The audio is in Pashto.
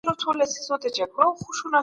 ناوړه غوښتنو ته لبیک نه ویل کېږي.